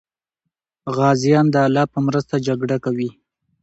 غازیان د الله په مرسته جګړه کوي.